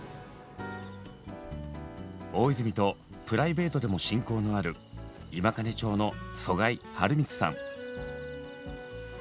大泉とプライベートでも親交のある今金町の曽我井陽充さん。